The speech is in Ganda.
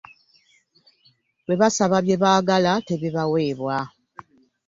Bwe basaba bye baagala tebibaweebwa.